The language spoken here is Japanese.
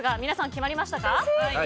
皆さん決まりましたか？